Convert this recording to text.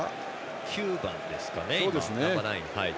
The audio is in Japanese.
９番ですかね。